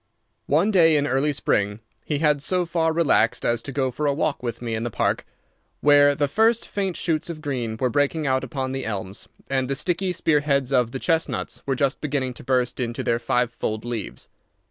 One day in early spring he had so far relaxed as to go for a walk with me in the Park, where the first faint shoots of green were breaking out upon the elms, and the sticky spear heads of the chestnuts were just beginning to burst into their five fold leaves.